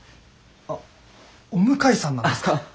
あっお向かいさんなんですか。